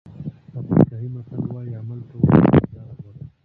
افریقایي متل وایي عمل کول له انتظار غوره دي.